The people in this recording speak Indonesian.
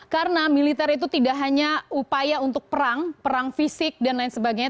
karena militer itu tidak hanya upaya untuk perang perang fisik dan lain sebagainya